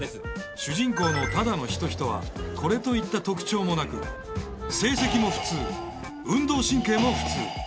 主人公の只野仁人はこれといった特徴もなく成績も普通運動神経も普通。